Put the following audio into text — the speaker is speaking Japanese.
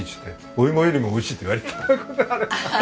お芋よりもおいしいって言われた。